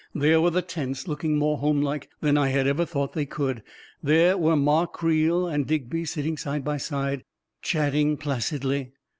There were the tents, looking more Jiome like than I had ever thought they could; there were Ma Creel, and Digby, sitting side by side, chatting placidly